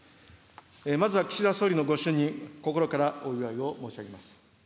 まずは岸田総理のご就任、心からお祝いを申し上げます。